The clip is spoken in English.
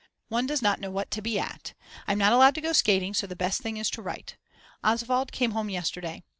One does not know what to be at. I'm not allowed to go skating so the best thing is to write. Oswald came home yesterday.